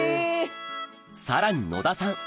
さらに野田さん